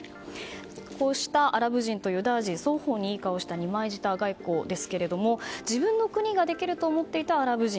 こうしたアラブ人とユダヤ人双方にいい顔をした二枚舌外交自分の国ができると思っていたアラブ人